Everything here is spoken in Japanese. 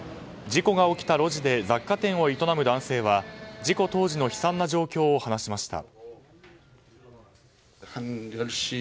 事故が起きた路地で雑貨店を営む男性は事故当時の悲惨な状況を話しました。